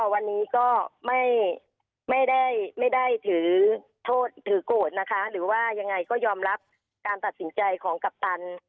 มันก็ไม่ได้ถือโทษอย่างไรก็ยอมรับการตัดสินใจของกัปตัน